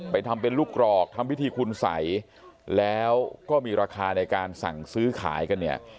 ทำเป็นลูกกรอกทำพิธีคุณสัยแล้วก็มีราคาในการสั่งซื้อขายกันเนี่ย